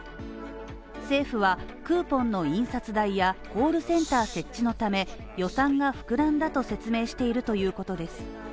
政府は、クーポンの印刷代やコールセンター設置のため、予算が膨らんだと説明しているということです。